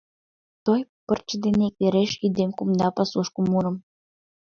Той пырче дене иквереш Ӱдем кумда пасушко мурым.